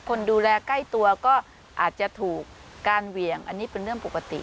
คนดูแลใกล้ตัวก็อาจจะถูกการเหวี่ยงอันนี้เป็นเรื่องปกติ